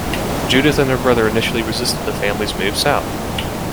Judith and her brother initially resisted the family's move South.